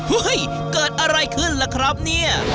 เกิดอะไรขึ้นล่ะครับเนี่ย